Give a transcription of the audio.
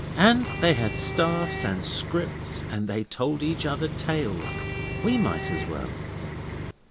'And they had staffs and scrips, and they told each other tales. We might as well.